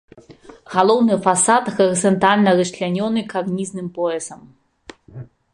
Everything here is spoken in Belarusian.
Галоўны фасад гарызантальна расчлянёны карнізным поясам.